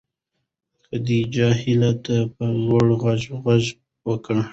خدیجې هیلې ته په لوړ غږ غږ وکړ.